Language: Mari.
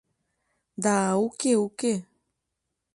— Да уке, уке!